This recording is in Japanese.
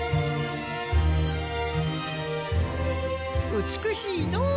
うつくしいのう。